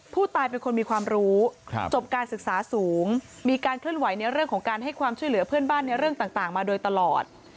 ผู้ตายเป็นคนมีความรู้จบการศึกษาสูงมีการเคลื่อนไหวในเรื่องของการให้ความช่วยเหลือเพื่อนบ้านในเรื่องต่างมาโดยตลอด